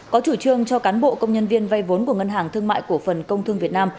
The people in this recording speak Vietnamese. có chủ trương cho cán bộ công nhân viên vay vốn của ngân hàng thương mại cổ phần công thương việt nam